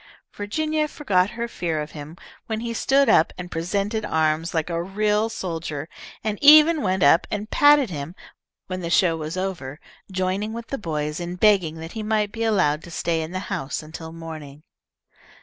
Virginia forgot her fear of him when he stood up and presented arms like a real soldier, and even went up and patted him when the show was over, joining with the boys in begging that he might be allowed to stay in the house until morning.